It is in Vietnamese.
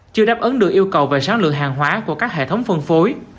chưa đáp ứng được yêu cầu về sáng lượng hàng hóa của các hệ thống phân phối